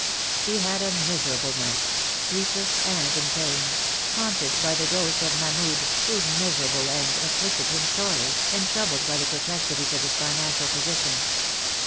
He had a miserable night — sleepless and in pain — haunted by the ghost of Mahmud, whose miserable end afflicted him sorely, and troubled by the perplexities of his financial position.